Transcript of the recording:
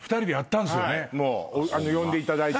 呼んでいただいて。